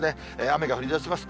雨が降りだします。